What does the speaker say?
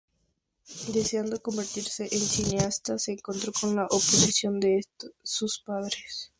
Deseando convertirse en cineasta, se encontró con la oposición de sus padres.